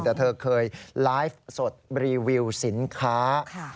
แต่เธอเคยไลฟ์สดรีวิวสินค้า